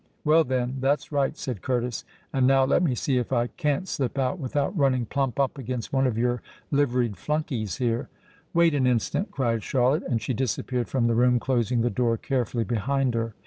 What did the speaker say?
"Well, then—that's right," said Curtis. "And now let me see if I can't slip out without running plump up against one of your liveried flunkeys here." "Wait an instant," cried Charlotte; and she disappeared from the room, closing the door carefully behind her.